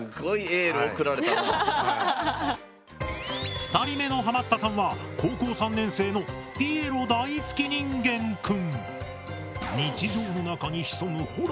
２人目のハマったさんは高校３年生のピエロ大好き人間くん。